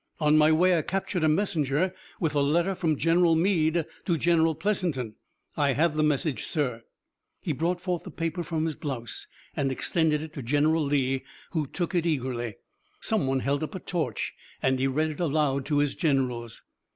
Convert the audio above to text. "On my way I captured a messenger with a letter from General Meade to General Pleasanton. I have the message, sir." He brought forth the paper from his blouse and extended it to General Lee, who took it eagerly. Some one held up a torch and he read it aloud to his generals.